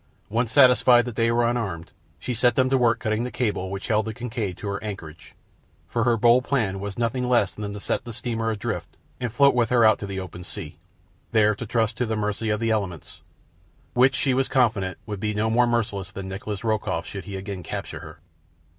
Once satisfied that they were unarmed, she set them to work cutting the cable which held the Kincaid to her anchorage, for her bold plan was nothing less than to set the steamer adrift and float with her out into the open sea, there to trust to the mercy of the elements, which she was confident would be no more merciless than Nikolas Rokoff should he again capture her.